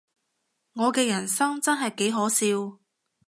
我嘅人生真係幾可笑